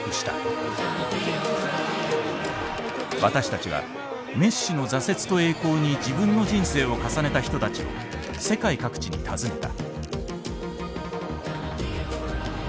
私たちはメッシの挫折と栄光に自分の人生を重ねた人たちを世界各地に訪ねた。